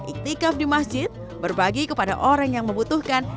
iktikaf di masjid berbagi kepada orang yang membutuhkan